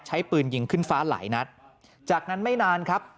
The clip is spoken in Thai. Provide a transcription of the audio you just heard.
ใช้ปืนยิงขึ้นฟ้าหลายนัดจากนั้นไม่นานครับ